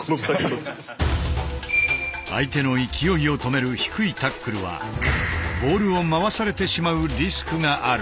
相手の勢いを止める低いタックルはボールを回されてしまうリスクがある。